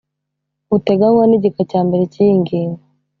buteganywa n igika cya mbere cy iyi ngingo